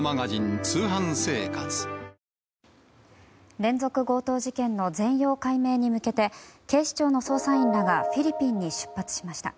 連続強盗事件の全容解明に向けて警視庁の捜査員らがフィリピンに出発しました。